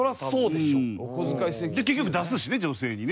で結局出すしね女性にね。